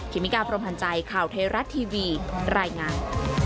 ครีมิการพรหมันใจข่าวไทยรัฐทีวีรายงาน